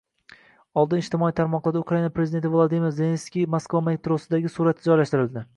oldin ijtimoiy tarmoqlarda Ukraina prezidenti Vladimir Zelenskiyning Moskva metrosidagi surati joylashtirildi